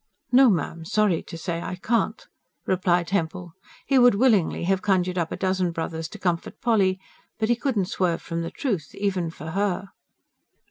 "No, ma'am, sorry to say I can't," replied Hempel. He would willingly have conjured up a dozen brothers to comfort Polly; but he could not swerve from the truth, even for her.